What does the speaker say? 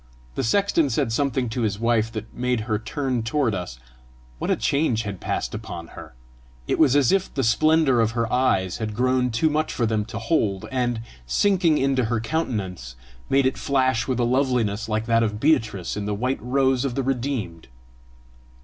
The sexton said something to his wife that made her turn toward us. What a change had passed upon her! It was as if the splendour of her eyes had grown too much for them to hold, and, sinking into her countenance, made it flash with a loveliness like that of Beatrice in the white rose of the redeemed.